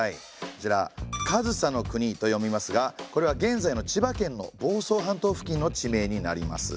こちら上総国と読みますがこれは現在の千葉県の房総半島付近の地名になります。